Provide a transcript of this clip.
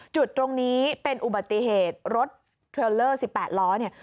จุดตรงนี้เป็นอุบัติเหตุรถเทรลเลอร์๑๘ล้อเนี่ย